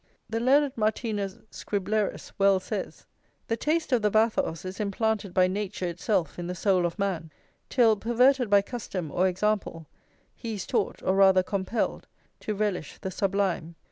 The learned Martinus Scriblerus well says: "The taste of the bathos is implanted by nature itself in the soul of man; till, perverted by custom or example, he is taught, or rather compelled, to relish the sublime."